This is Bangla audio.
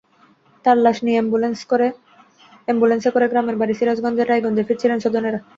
তাঁর লাশ নিয়ে অ্যাম্বুলেন্সে করে গ্রামের বাড়ি সিরাজগঞ্জের রায়গঞ্জে ফিরছিলেন স্বজনেরা।